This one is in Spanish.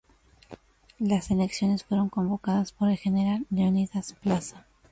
Las elecciones fueron convocadas por el general Leonidas Plaza.